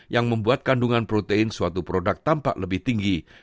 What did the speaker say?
yang membuat kandungan protein suatu produk tampak lebih tinggi